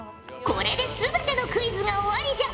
これで全てのクイズが終わりじゃ。